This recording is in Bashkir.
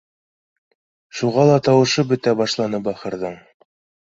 Шуға ла тауышы ла бөтә башланы, бахырҙың.